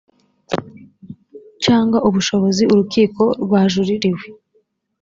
cyangwa ubushobozi urukiko rwajuririwe